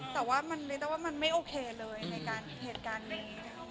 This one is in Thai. แต่ว่าลิต้าว่ามันไม่โอเคเลยในเหตุการณ์นี้